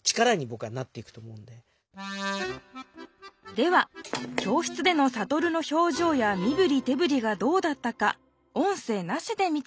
では教室でのサトルの表情やみぶりてぶりがどうだったか音声なしで見てみましょう